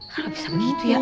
nggak bisa begitu ya